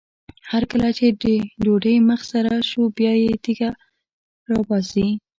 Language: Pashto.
هر کله چې د ډوډۍ مخ سره شو بیا یې تیږه راباسي.